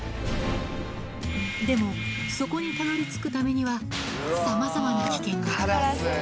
でも、そこにたどりつくためには、さまざまな危険が。